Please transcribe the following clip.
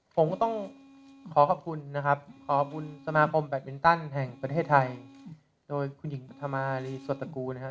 ผมก็ต้องขอขอบคุณนะครับขอบคุณสมาพรมแบบเวนตั้นแห่งประเทศไทยโดยคุณหญิงประธามาฮารีสวรรค์ตระกูลนะฮะ